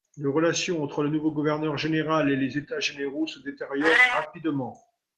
Les relations entre le nouveau gouverneur général et les états généraux se détériorent rapidement.